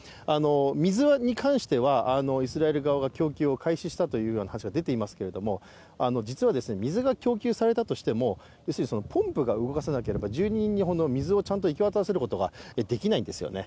水に関してはイスラエル側が供給を開始したというような話も出ていますけども実は水が供給されたとしてもポンプが動かせなければ住人に水をちゃんと行き渡らせることができないんですよね。